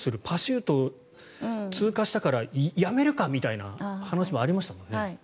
パシュート、通過したからやめるかみたいな話もありましたよね。